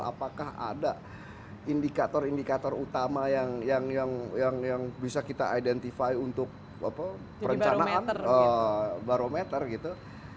apakah ada indikator indikator utama yang bisa kita identify untuk perencanaan barometer gitu